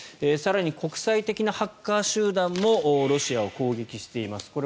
更に国際的なハッカー集団もロシアを攻撃しています。